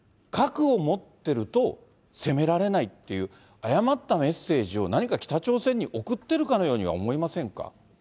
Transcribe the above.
核を持ってると攻められないっていう、誤ったメッセージを何か北朝鮮に送ってるかのように思いませんか。